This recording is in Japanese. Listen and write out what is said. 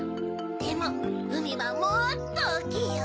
でもうみはもっとおおきいよ。